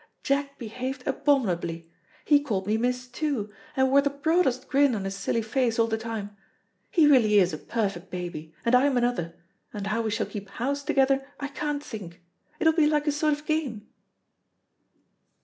Jack behaved abominably. He called me miss, too, and wore the broadest grin on his silly face all the time. He really is a perfect baby, and I'm another, and how we shall keep house together I can't think. It'll be like a sort of game."